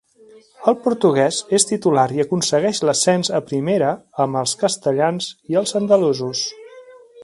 El portugués és titular i aconsegueix l'ascens a Primera amb els castellans i els andalusos.